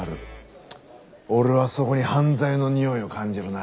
俺はそこに犯罪のにおいを感じるな。